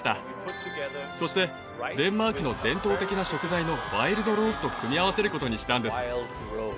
そしてデンマークの伝統的な食材のワイルドローズと組み合わせることにしたんです。